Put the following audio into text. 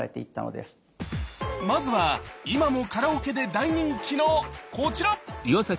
まずは今もカラオケで大人気のこちら！